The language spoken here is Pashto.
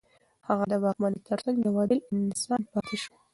هغه د واکمنۍ تر څنګ يو عادل انسان پاتې شو.